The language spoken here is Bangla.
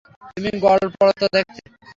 তুমি গড়পড়তা দেখতে।